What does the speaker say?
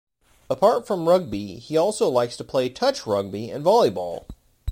Apart from rugby, he also likes to play touch rugby and volleyball.